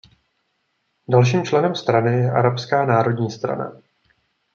Dalším členem strany je Arabská národní strana.